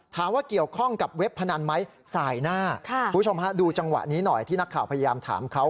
ถามว่าเกี่ยวข้องกับเว็บพนันไหมสายหน้าคุณผู้ชมฮะดูจังหวะนี้หน่อยที่นักข่าวพยายามถามเขา